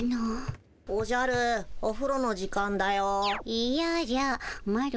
いやじゃマロ